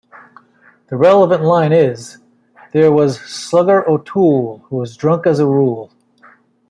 The relevant line is: "There was Slugger O'Toole who was drunk as a rule".